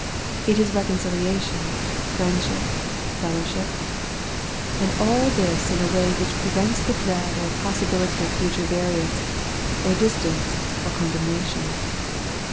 It is reconciliation, friendship, fellowship ; and all this in a way which prevents the dread or possibility of future variance, or dis tance, or condemnation.